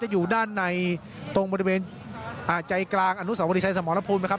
อยู่ด้านในตรงบริเวณอ่าใจกลางอนุสาวรีชัยสมรภูมินะครับ